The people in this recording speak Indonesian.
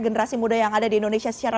generasi muda yang ada di indonesia secara